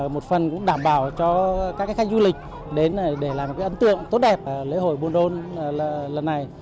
một phần cũng đảm bảo cho các khách du lịch đến để làm ấn tượng tốt đẹp lễ hội buôn đôn lần này